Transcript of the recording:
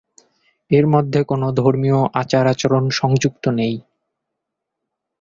এর মধ্যে কোনো ধর্মীয় আচার-আচরণ সংযুক্ত নেই।